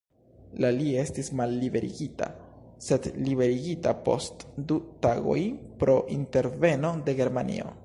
La li estis malliberigita, sed liberigita post du tagoj pro interveno de Germanio.